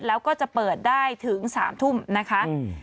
แล้วก็จะเปิดได้ถึง๓ทุ่มนะคะ